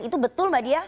itu betul mbak diyah